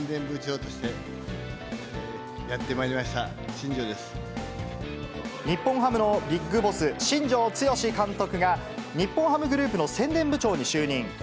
日本ハムのビッグボス、新庄剛志監督が、ニッポンハムグループの宣伝部長に就任。